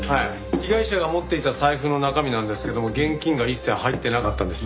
被害者が持っていた財布の中身なんですけども現金が一切入ってなかったんです。